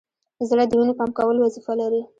زړه د وینې پمپ کولو وظیفه لري.